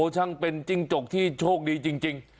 ช่างเป็นจิ้งจกที่โชคดีจริง